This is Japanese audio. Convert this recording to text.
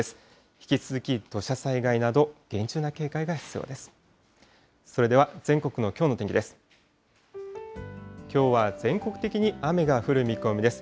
引き続き土砂災害など、厳重な警戒が必要です。